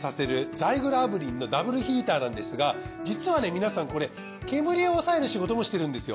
ザイグル炙輪のダブルヒーターなんですが実はね皆さんこれ煙を抑える仕事もしてるんですよ。